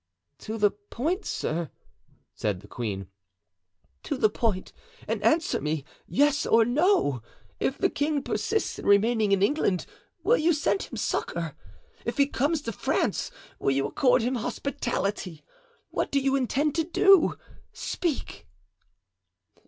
"To the point, sir," said the queen, "to the point, and answer me, yes or no; if the king persists in remaining in England will you send him succor? If he comes to France will you accord him hospitality? What do you intend to do? Speak."